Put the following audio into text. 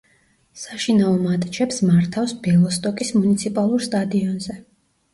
საშინაო მატჩებს მართავს ბელოსტოკის მუნიციპალურ სტადიონზე.